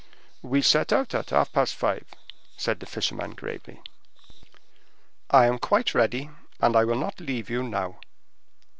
"We set out at half past five," said the fisherman gravely. "I am quite ready, and I will not leave you now."